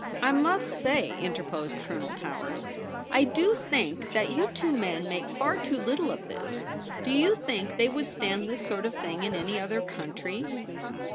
' I must say,' interposed Colonel Towers, ' I do think that you two men make far too little of this. Do you think they would stand this sort of thing in any other country